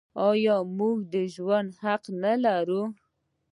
آیا موږ د ژوند حق نلرو؟